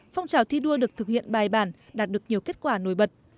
phong trào thi đua được thực hiện bài bản đạt được nhiều kết quả nổi bật